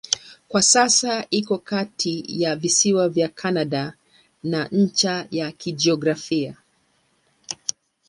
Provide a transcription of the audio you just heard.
Kwa sasa iko kati ya visiwa vya Kanada na ncha ya kijiografia.